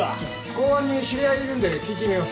公安に知り合いいるんで聞いてみます。